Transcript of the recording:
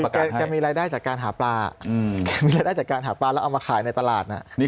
ก็มีรายได้จากการหาปลาค่ะเนี่ยถือการหาป์แล้วเอามาขายในตลาดนี้